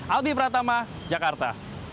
albi pratama jakarta